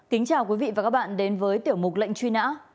kính chào quý vị và các bạn đến với tiểu mục lệnh truy nã